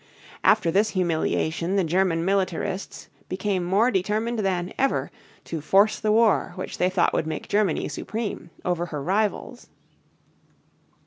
After this humiliation the German militarists became more determined than ever to force the war which they thought would make Germany supreme over her rivals.